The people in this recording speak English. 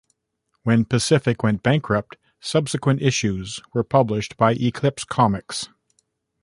When Pacific went bankrupt, subsequent issues were published by Eclipse Comics.